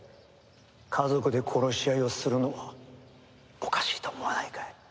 家族で殺し合いをするのはおかしいと思わないかい？